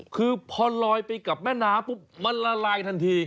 คือพอลอยไปกับแม่น้ำปุ๊บมันละลายทันที